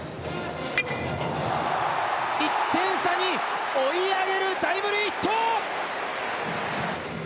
１点差に追い上げるタイムリーヒット！